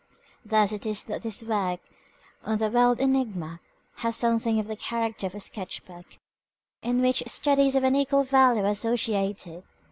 Thus it is that this work on the world enigma has something of the character of a sketch book, in which studies of unequal value are associated.